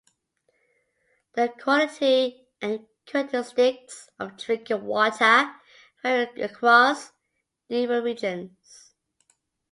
The quality and characteristics of drinking water vary across different regions.